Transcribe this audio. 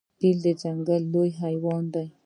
فیل د ځنګل لوی حیوان دی.